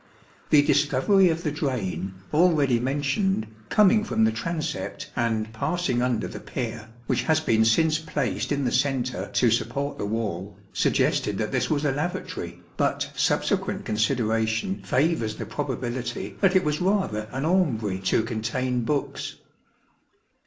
The discovery of the drain, already mentioned, coming from the transept and passing under the pier, which has been since placed in the centre to support the wall, suggested that this was a lavatory, but subsequent consideration favours the probability that it was rather an aumbrey to contain books.